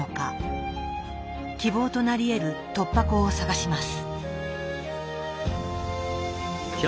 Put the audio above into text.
希望となりえる突破口を探します。